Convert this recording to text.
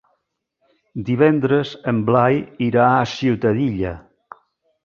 Divendres en Blai irà a Ciutadilla.